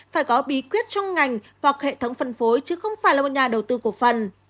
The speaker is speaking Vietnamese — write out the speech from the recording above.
phải có bí quyết trong ngành hoặc hệ thống phân phối chứ không phải là một nhà đầu tư cổ phần